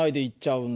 うん？